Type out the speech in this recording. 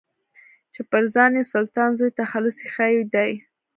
چې پر ځان يې سلطان زوی تخلص ايښی دی.